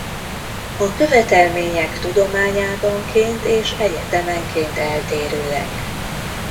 A követelmények tudományáganként és egyetemenként eltérőek.